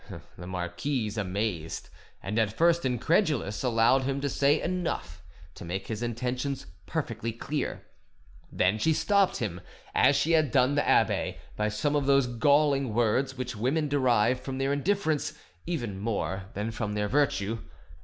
The marquise, amazed and at first incredulous, allowed him to say enough to make his intentions perfectly clear; then she stopped him, as she had done the abbe, by some of those galling words which women derive from their indifference even more than from their virtue.